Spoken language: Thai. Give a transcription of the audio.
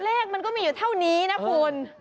เลขมันก็มีอยู่เท่านี้นะคุณ